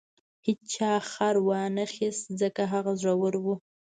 هیچا خر ونه خیست ځکه هغه زوړ و.